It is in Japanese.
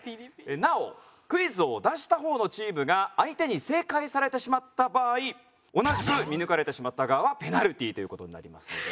なおクイズを出した方のチームが相手に正解されてしまった場合同じく見抜かれてしまった側はペナルティーという事になりますので。